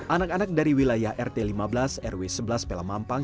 anak anak dari wilayah rt lima belas rw sebelas pelamampang